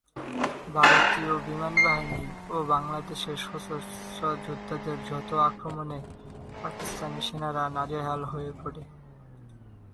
ভারতীয় বিমানবাহিনী ও বাংলাদেশের সশস্ত্র যোদ্ধাদের যৌথ আক্রমণে পাকিস্তানি সেনারা নাজেহাল হয়ে পড়ে।